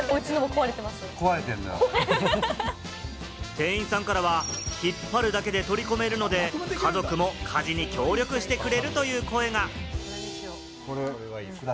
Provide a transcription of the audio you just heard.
店員さんからは引っ張るだけで取り込めるので、家族も家事に協力してくれるという声が。